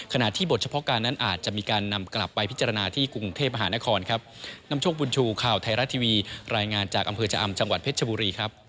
ขณะที่บทเฉพาะการนั้นอาจจะมีการนำกลับไปพิจารณาที่กรุงเทพฯมหานคร